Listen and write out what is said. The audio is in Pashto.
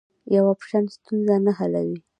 یو اپشن ستونزه نه حلوي.